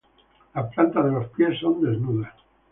Las plantas de los pies son desnudas.